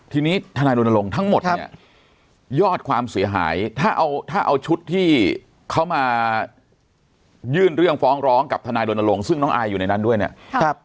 ทีนี้ทนายรณรงค์ทั้งหมดเนี่ยยอดความเสียหายถ้าเอาถ้าเอาชุดที่เขามายื่นเรื่องฟ้องร้องกับทนายรณรงค์ซึ่งน้องอายอยู่ในนั้นด้วยเนี่ย